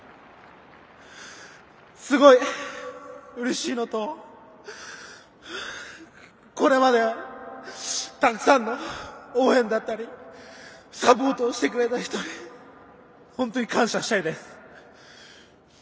すごいうれしいのとこれまでたくさんの応援だったりサポートをしてくれた人に本当に感謝したいです。